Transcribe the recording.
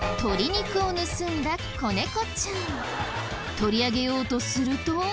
取り上げようとすると。